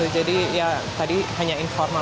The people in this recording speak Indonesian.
jadi ya tadi hanya informasi